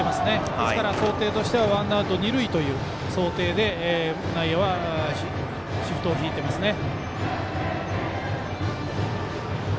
ですから想定としてはワンアウト、二塁という想定で内野はシフトを敷いていますね。